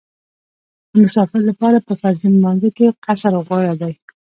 د مسافر لپاره په فرضي لمانځه کې قصر غوره دی